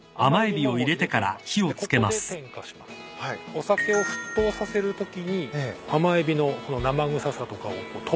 お酒を沸騰させるときにアマエビの生臭さとかを飛ばしてくれる。